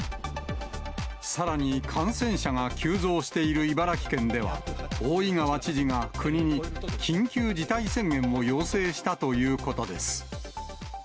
さらに、感染者が急増している茨城県では、大井川知事が国に緊急事態宣言を要請したということです。